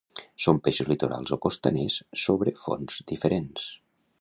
Són peixos litorals o costaners sobre fons diferents.